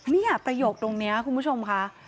เนี่ยประโยคตรงนี้คุณผู้ชมค่ะ